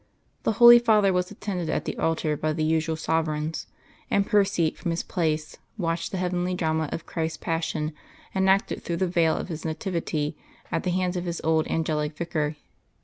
The Holy Father was attended at the altar by the usual sovereigns; and Percy from his place watched the heavenly drama of Christ's Passion enacted through the veil of His nativity at the hands of His old Angelic Vicar.